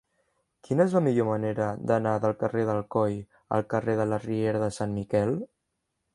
Quina és la millor manera d'anar del carrer d'Alcoi al carrer de la Riera de Sant Miquel?